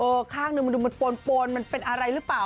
ข้างหนึ่งมันดูมันปนมันเป็นอะไรหรือเปล่า